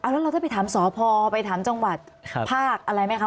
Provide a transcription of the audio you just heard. แล้วเราได้ไปถามสพไปถามจังหวัดภาคอะไรไหมคะ